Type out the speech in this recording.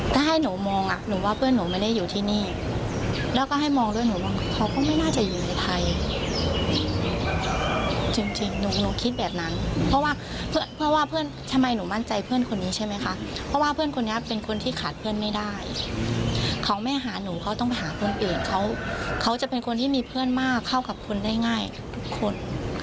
เขาไม่หาหนูเขาต้องหาคนเองเขาจะเป็นคนที่มีเพื่อนมากเข้ากับคนได้ง่ายทุกคน